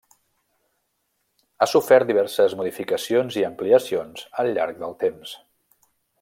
Ha sofert diverses modificacions i ampliacions al llarg del temps.